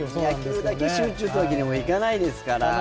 野球だけ集中というわけにはいかないですから。